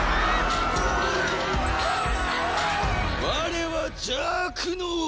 我は邪悪の王！